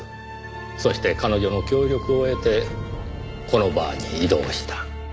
そして彼女の協力を得てこのバーに移動した。